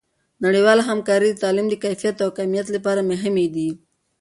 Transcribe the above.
نړیوالې همکارۍ د تعلیم د کیفیت او کمیت لپاره مهمې دي.